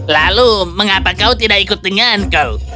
lalu mengapa kau tidak ikut denganku